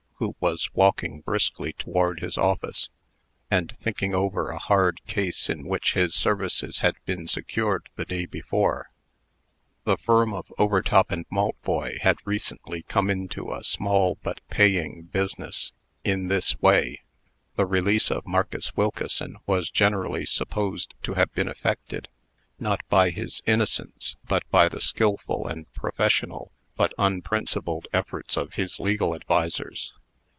who was walking briskly toward his office, and thinking over a hard case in which his services had been secured the day before. The firm of Overtop & Maltboy had recently come into a small but paying business, in this way: The release of Marcus Wilkeson was generally supposed to have been effected, not by his innocence, but by the skilful and professional, but unprincipled efforts of his legal advisers.